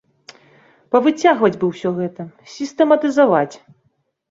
Павыцягваць бы ўсё гэта, сістэматызаваць.